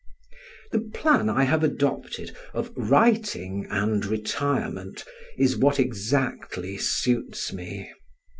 The plan I have adopted of writing and retirement, is what exactly suits me.